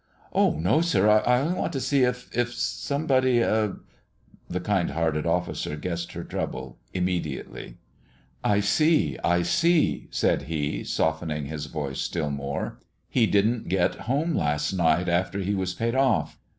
"Oh, no, sir! I only want to see if if somebody" The kind hearted officer guessed her trouble immediately. "I see, I see," said he, softening his voice still more. "He didn't get home last night after he was paid off.